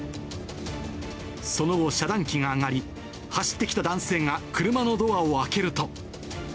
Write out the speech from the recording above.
その後、遮断機が上がり、走ってきた男性が車のドアを開けると。